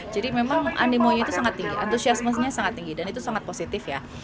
jadi memang animonya itu sangat tinggi antusiasmenya sangat tinggi dan itu sangat positif ya